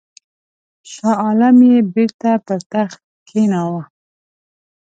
شاه عالم یې بیرته پر تخت کښېناوه.